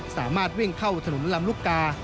สามารถวิ่งเข้าถนนลำลูกกา